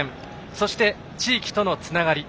そして地域とのつながり。